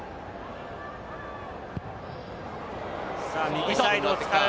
右サイド使う。